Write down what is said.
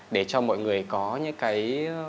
để cho mọi người có những cái